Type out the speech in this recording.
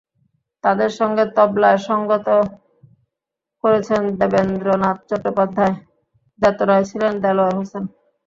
তাঁদের সঙ্গে তবলায় সংগত করেছেন দেবেন্দ্রনাথ চট্টোপাধ্যায়, দোতারায় ছিলেন দেলোয়ার হোসেন।